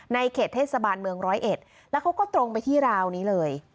ในเขตเทศบาลเมืองร้อยเอ็ดแล้วเขาก็ตรงไปที่ราวนี้เลย